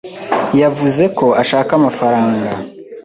Yavuze ko ashaka amafaranga.